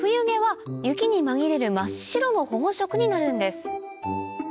毛は雪に紛れる真っ白の保護色になるんです